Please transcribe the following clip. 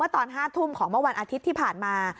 ตอน๕ทุ่มของเมื่อวันอาทิตย์ที่ผ่านมา